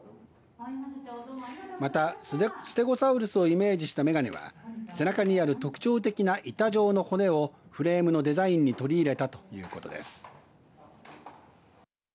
また、ステゴサウルスをイメージした眼鏡は背中にある、特徴的な板状の骨をフレームのデザインに取り入れたということです。